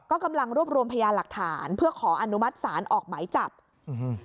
ก็กำลังรวบรวมพยานหลักฐานเพื่อขออนุมัติศาลออกหมายจับอืม